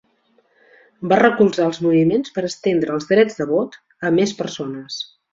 Va recolzar els moviments per estendre els drets de vot a més persones.